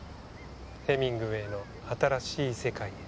ヘミングウェイの新しい世界へ。